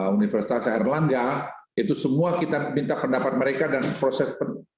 universitas air langga itu semua kita minta pendapat mereka dan proses